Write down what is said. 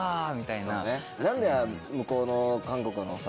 何で向こうの韓国のさ